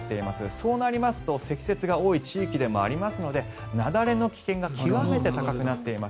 そうなりますと積雪が多い地域でもありますので雪崩の危険が極めて高くなっています。